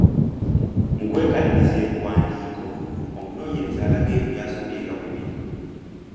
Mu kwekaliriza ebiwandiiko, omunoonyereza alaga ebyo by’asomye nga bwe biri.